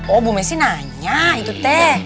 oh bu messi nanya itu teh